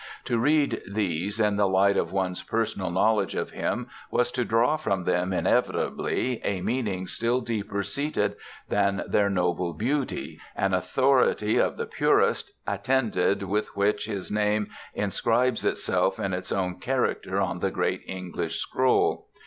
To read these in the light of one's personal knowledge of him was to draw from them, inevitably, a meaning still deeper seated than their noble beauty, an authority, of the purest, attended with which his name inscribes itself in its own character on the great English scroll.